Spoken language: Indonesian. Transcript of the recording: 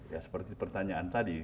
ya seperti pertanyaan tadi